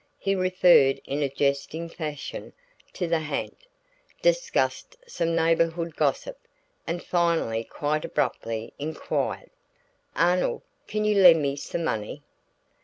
He referred in a jesting fashion to the ha'nt, discussed some neighborhood gossip, and finally quite abruptly inquired: "Arnold, can you lend me some money?"